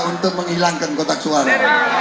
untuk menghilangkan kotak suara